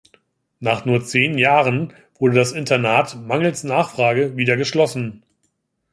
Nach nur zehn Jahren wurde das Internat mangels Nachfrage wieder geschlossen.